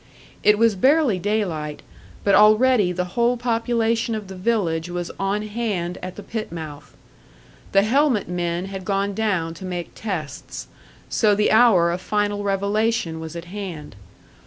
It was barely daylight, but already the whole population of the village was on hand at the pit mouth. The helmet men had gone down to make tests, so the hour of final revelation was at hand.